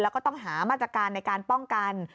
แล้วก็ต้องหามาตรการในการป้องกัน